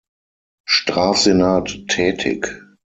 Strafsenat tätig.